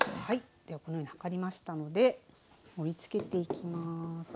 はいではこのように量りましたので盛りつけていきます。